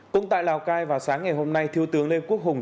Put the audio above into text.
cũng tại lào cai vào sáng ngày hôm nay thiếu tướng lê quốc hùng